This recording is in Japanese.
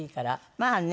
まあね